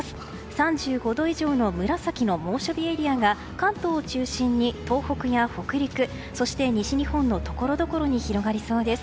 ３５度以上の紫の猛暑日エリアが関東を中心に東北や北陸そして西日本のところどころに広がりそうです。